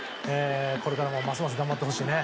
これからもますます頑張ってほしいね。